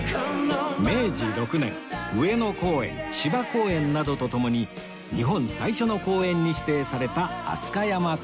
明治６年上野公園芝公園などと共に日本最初の公園に指定された飛鳥山公園